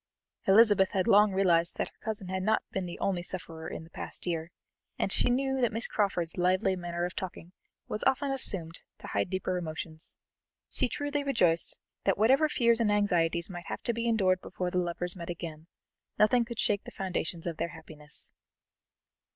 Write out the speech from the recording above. Elizabeth had long realized that her cousin had not been the only sufferer in the past year, and she knew that Miss Crawford's lively manner of talking was often assumed to hide deeper emotions. She truly rejoiced that whatever fears and anxieties might have to be endured before the lovers met again, nothing could shake the foundations of their happiness.